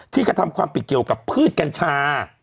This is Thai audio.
กระทำความผิดเกี่ยวกับพืชกัญชา